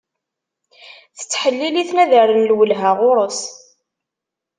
Tettḥelil-iten ad rren lwelha ɣur-s.